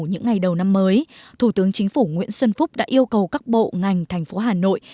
những ngày đầu năm mới thủ tướng chính phủ nguyễn xuân phúc đã yêu cầu các bộ ngành thành phố hà nội